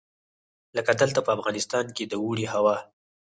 لکه دلته په افغانستان کې د اوړي هوا.